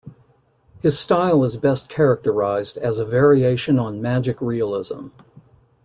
His style is best characterized as a variation on magic realism.